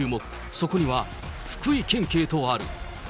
そこには、福井県警とある。